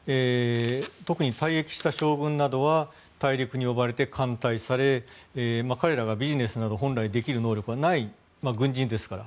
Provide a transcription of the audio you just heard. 特に退役した将軍などは大陸に呼ばれて歓待され、彼らがビジネスなど本来できる能力はない軍人ですから。